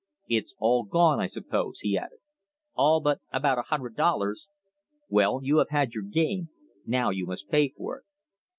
"It's all gone, I suppose?" he added. "All but about a hundred dollars." "Well, you have had your game; now you must pay for it."